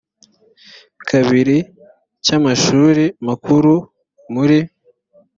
kabiri cy amashuri makuru muri